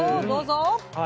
どうぞ。